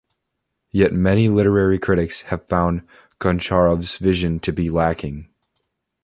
Yet many literary critics have found Goncharov's vision to be lacking.